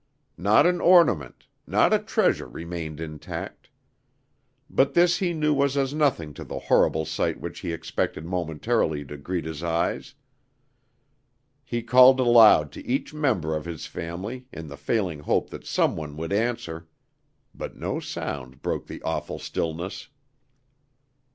Not an ornament, not a treasure remained intact. But this he knew was as nothing to the horrible sight which he expected momentarily to greet his eyes. He called aloud to each member of his family, in the failing hope that some one would answer; but no sound broke the awful stillness.